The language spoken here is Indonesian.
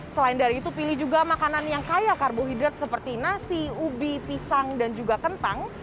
selain dari itu pilih juga makanan yang kaya karbohidrat seperti nasi ubi pisang dan juga kentang